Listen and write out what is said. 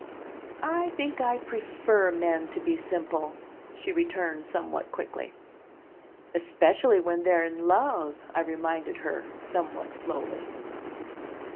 "I think I prefer men to be simple," she returned somewhat quickly. "Especially when they're in love," I reminded her somewhat slowly.